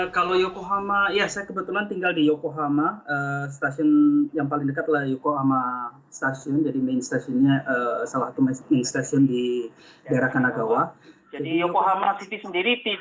kalau yokohama ya saya kebetulan tinggal di yokohama stasiun yang paling dekat adalah yoko sama stasiun jadi main stasiunnya salah satu stasiun di daerah kanagawa jadi yokohama